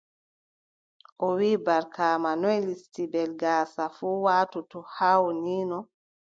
O wii, Barkaama, noy listibel gaasa fuu waatoto haa wonino?